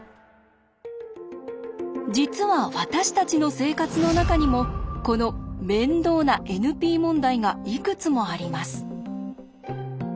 実は私たちの生活の中にもこの面倒なＮＰ問題がいくつもあります。